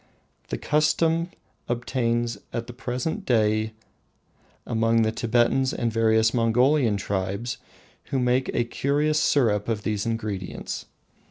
The custom obtains at the present day among the Thibetans and various Mongolian tribes, who make a curious syrup of these ingredients.